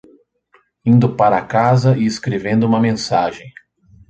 Indo para casa e escrevendo uma mensagem